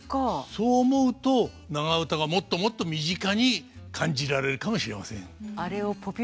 そう思うと長唄がもっともっと身近に感じられるかもしれません。